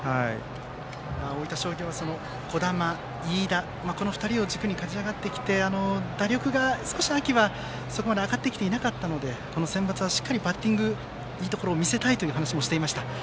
大分商業は児玉、飯田この２人を軸に勝ち上がってきて打力が少し、秋はそこまで上がってきていなかったのでセンバツはしっかりバッティングいいところを見せたいと話もしていました。